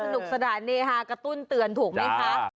สนุกสนานเฮฮากระตุ้นเตือนถูกไหมคะ